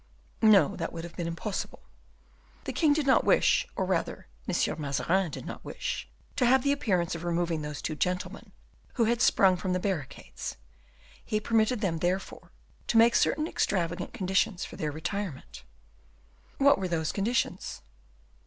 "No: that would have been impossible. The king did not wish, or rather M. Mazarin did not wish, to have the appearance of removing those two gentlemen, who had sprung from the barricades; he permitted them, therefore, to make certain extravagant conditions for their retirement." "What were those conditions?"